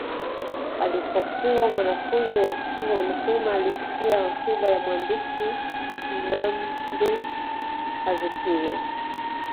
Alipokuwa mwanafunzi wa chuo Nkrumah alisikia hotuba ya mwandishi Nnamdi Azikiwe